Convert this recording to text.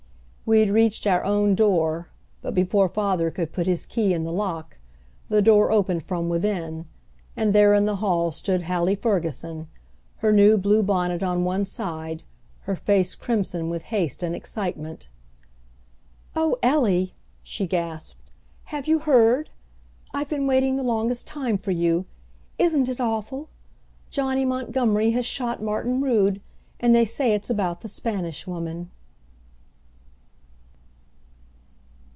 We had reached our own door, but before father could put his key in the lock, the door opened from within, and there in the hall stood Hallie Ferguson, her new blue bonnet on one side, her face crimson with haste and excitement. "Oh, Ellie," she gasped, "have you heard? I've been waiting the longest time for you. Isn't it awful? Johnny Montgomery has shot Martin Rood, and they say it's about the Spanish Woman."